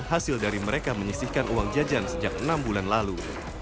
hasil dari mereka menyisihkan uang jajan sejak enam bulan lalu